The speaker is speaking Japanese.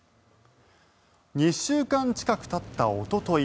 ２週間近くたったおととい